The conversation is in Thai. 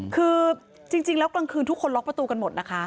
คือจริงแล้วกลางคืนทุกคนล็อกประตูกันหมดนะคะ